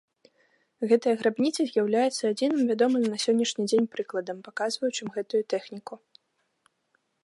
Гэтая грабніца з'яўляецца адзіным вядомым на сённяшні дзень прыкладам, паказваючым гэтую тэхніку.